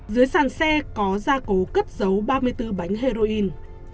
dưới sàn xe có gia cố cấp dấu ba mươi bốn bánh heroin